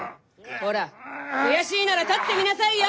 ほら悔しいなら立ってみなさいよ！